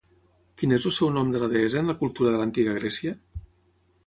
Quin és el seu nom de la deessa en la cultura de l'Antiga Grècia?